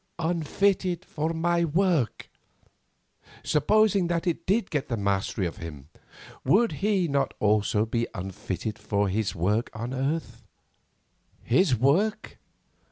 "Unfitted for my work." Supposing that it did get the mastery of him, would he not also be unfitted for his work on earth? His work?